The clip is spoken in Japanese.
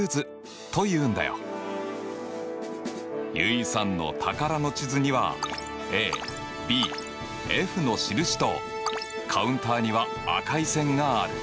結衣さんの宝の地図にはＡＢＦの印とカウンターには赤い線がある。